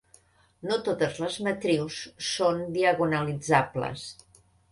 No totes les matrius són diagonalitzables.